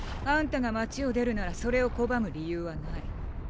あんたが街を出るならそれを拒む理由はない。